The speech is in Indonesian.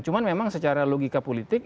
cuma memang secara logika politik